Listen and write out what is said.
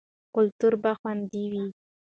کلتور به خوندي وي.